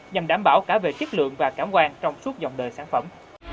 nhằm đảm bảo cả về chất lượng và cảm quan trong suốt dòng đời sản phẩm